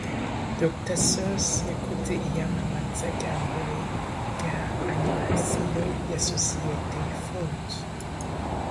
Dr Seuss yakoze iyamamaza rya mbere rya animasiyo ya sosiyete Ford